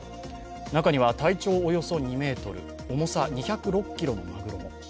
中には体長およそ２ｍ、重さ２０６ｋｇのまぐろも。